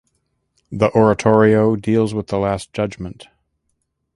The oratorio deals with the Last Judgment.